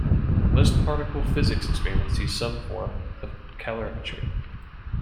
Most particle physics experiments use some form of calorimetry.